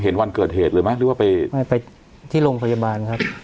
วันเกิดเหตุเลยไหมหรือว่าไปไม่ไปที่โรงพยาบาลครับ